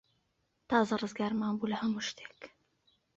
تازە ڕزگارمان بوو لە هەموو شتێک.